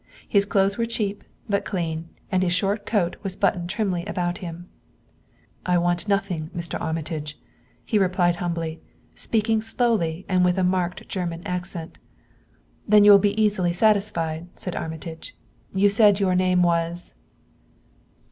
His clothes were cheap, but clean, and his short coat was buttoned trimly about him. "I want nothing, Mr. Armitage," he replied humbly, speaking slowly and with a marked German accent. "Then you will be easily satisfied," said Armitage. "You said your name was